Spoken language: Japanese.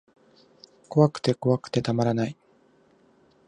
怖くて怖くてたまらない